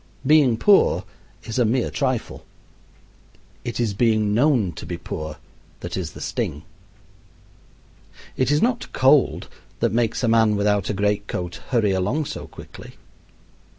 Being poor is a mere trifle. It is being known to be poor that is the sting. It is not cold that makes a man without a great coat hurry along so quickly.